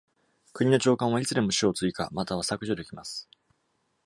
国の長官は、いつでも種を追加または削除できます。